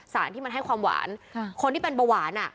สารที่มันให้ความหวานคนที่เป็นเบาหวานอ่ะ